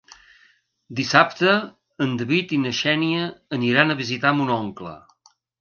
Dissabte en David i na Xènia aniran a visitar mon oncle.